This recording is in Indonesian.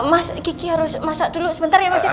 mas gigi harus masak dulu sebentar ya mas